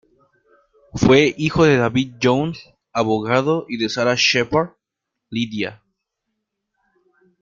Fue hijo de David Jones, abogado, y de Sarah Shephard Lidia.